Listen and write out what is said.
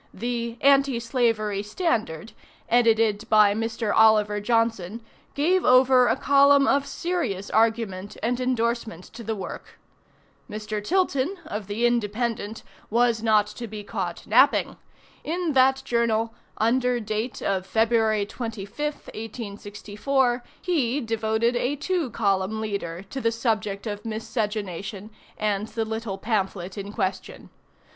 The "Anti Slavery Standard," edited by Mr. Oliver Johnson, gave over a column of serious argument and endorsement to the work. Mr. Tilton, of the "Independent," was not to be caught napping. In that journal, under date of February 25, 1864, he devoted a two column leader to the subject of Miscegenation and the little pamphlet in question.